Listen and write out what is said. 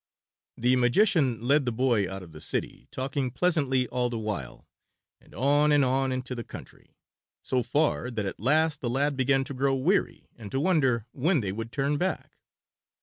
The magician led the boy out of the city, talking pleasantly all the while, and on and on into the country, so far that at last the lad began to grow weary and to wonder when they would turn back.